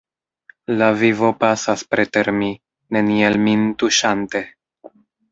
La vivo pasas preter mi, neniel min tuŝante.